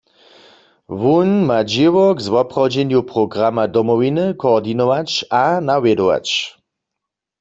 Wón ma dźěło k zwoprawdźenju programa Domowiny koordinować a nawjedować.